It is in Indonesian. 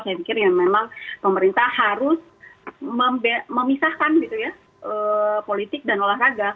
saya pikir ya memang pemerintah harus memisahkan gitu ya politik dan olahraga